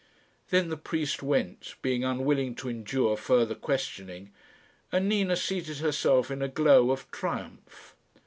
Then the priest went, being unwilling to endure further questioning, and Nina seated herself in a glow of triumph.